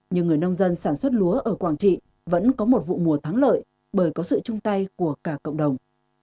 nhưng người nông dân sản xuất lúa ở quảng trị vẫn có một vụ mùa thắng lợi bởi có sự chung tay của cả cộng đồng